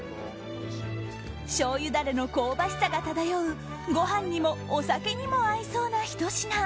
しょうゆダレの香ばしさが漂うご飯にもお酒にも合いそうなひと品。